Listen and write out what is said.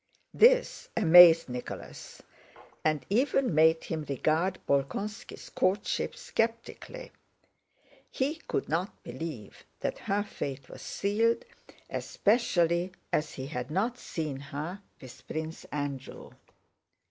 This amazed Nicholas and even made him regard Bolkónski's courtship skeptically. He could not believe that her fate was sealed, especially as he had not seen her with Prince Andrew.